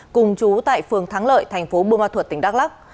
cùng chú tại phường thắng lợi thành phố bùa ma thuật tỉnh đắk lắc